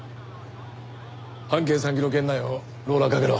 半径３キロ圏内をローラーかけろ。